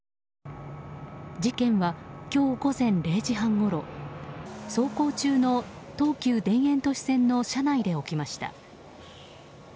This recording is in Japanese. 事件は今日午前０時半ごろ走行中の東急田園都市線の車内で起きました。